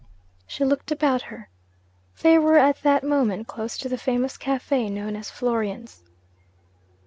She looked about her. They were at that moment close to the famous cafe known as 'Florian's.'